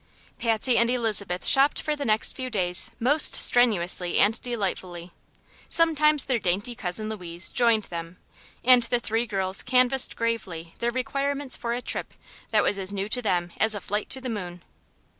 Patsy and Elizabeth shopped for the next few days most strenuously and delightfully. Sometimes their dainty cousin Louise joined them, and the three girls canvassed gravely their requirements for a trip that was as new to them as a flight to the moon.